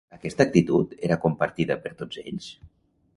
Aquesta actitud era compartida per tots ells?